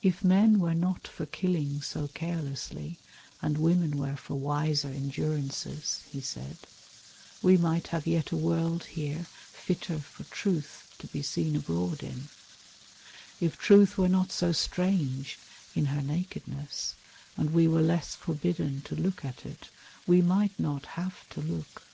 "If men were not for killing so carelessly, And women were for wiser endurances," He said, "we might have yet a world here Fitter for Truth to be seen abroad in; "If Truth were not so strange in her nakedness, And we were less forbidden to look at it, We might not have to look."